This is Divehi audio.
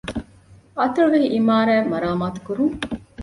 އަތޮޅުވެހި އިމާރާތް މަރާމާތުކުރުން